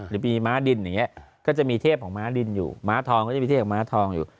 หรือมีม้าดินอย่างนี้ก็จะมีเทพของม้าดินอยู่ม้าทองก็จะมีเทพม้าทองอยู่